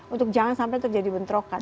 untuk jangan sampai terjadi bentrokan